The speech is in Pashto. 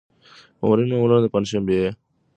مامورین معمولاً د پنجشنبې په ورځ وخته رخصتېږي.